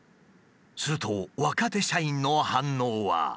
すると若手社員の反応は。